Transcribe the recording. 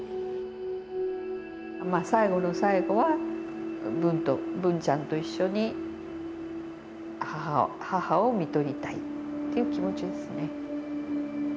最期の最期は文と文ちゃんと一緒に母を看取りたい。っていう気持ちですね。